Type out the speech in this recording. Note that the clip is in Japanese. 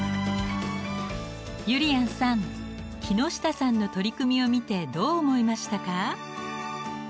ゆりやんさん木下さんの取り組みを見てどう思いましたか？